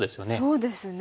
そうですね。